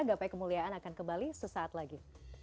gapai kemuliaan akan kembali sesaat lagi